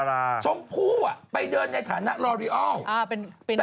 มันจะมีคนไทยอีกกลุ่มหนึ่งนะมันจะมีคนไทยอีกกลุ่มหนึ่งนะ